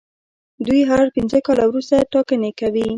دوی هر پنځه کاله وروسته ټاکنې کوي.